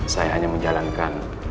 saya hanya menjalankan